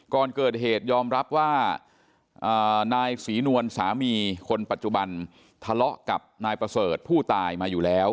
ก่อนเกิดเหตุยอมรับว่านายศรีนวลสามีคนปัจจุบันทะเลาะกับนายประเสริฐผู้ตายมาอยู่แล้ว